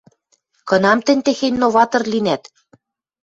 Кынам тӹнь техень новатор линӓт?